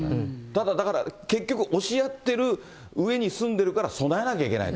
ただだから押し合ってる上に住んでるから備えなきゃいけないと。